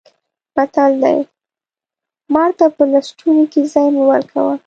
متل دی: مار ته په لستوڼي کې ځای مه ورکوه.